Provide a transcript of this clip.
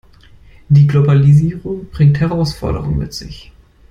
Die Globalisierung bringt Herausforderungen mit sich.